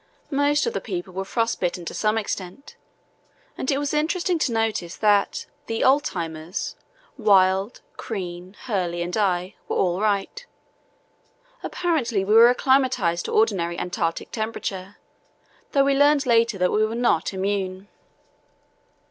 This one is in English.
Most of the people were frost bitten to some extent, and it was interesting to notice that the "oldtimers," Wild, Crean, Hurley, and I, were all right. Apparently we were acclimatized to ordinary Antarctic temperature, though we learned later that we were not immune.